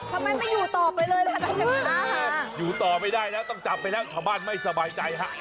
ทำไมไม่อยู่ต่อไปเลยล่ะตอนนี้อยู่ต่อไม่ได้แล้วต้องจับไปแล้วชาวบ้านไม่สบายใจฮะ